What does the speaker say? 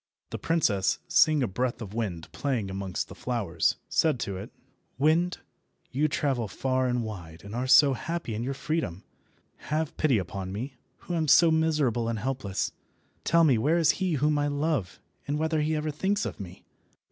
The princess, seeing a breath of wind playing amongst the flowers, said to it— "Wind, you travel far and wide and are so happy in your freedom, have pity upon me, who am so miserable and helpless. Tell me where is he whom I love, and whether he ever thinks of me."